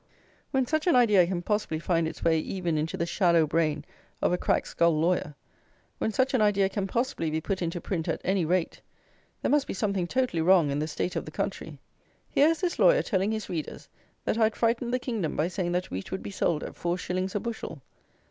When such an idea can possibly find its way even into the shallow brain of a cracked skull lawyer; when such an idea can possibly be put into print at any rate, there must be something totally wrong in the state of the country. Here is this lawyer telling his readers that I had frightened the kingdom by saying that wheat would be sold at four shillings a bushel.